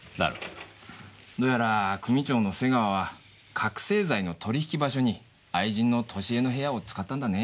どうやら組長の瀬川は覚せい剤の取り引き場所に愛人の俊江の部屋を使ったんだね。